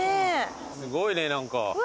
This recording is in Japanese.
すごいね何か。